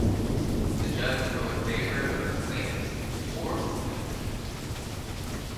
The judge will rule in favour of the claimant or the defendant.